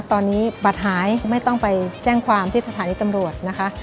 ตอนนี้บัตรหายไม่ต้องไปแจ้งความที่สถานีตำรวจนะคะ